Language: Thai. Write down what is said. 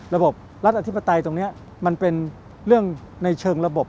ระบบรัฐอธิปไตยตรงนี้มันเป็นเรื่องในเชิงระบบ